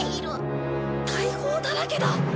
大砲だらけだ。